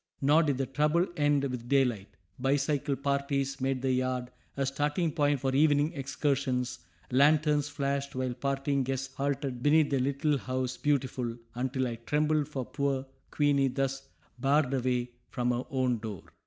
Nor did the trouble end with daylight; bicycle parties made the yard a starting point for evening excursions, lanterns flashed while parting guests halted beneath the little house beautiful, until I trembled for poor "Queenie" thus barred away from her own door.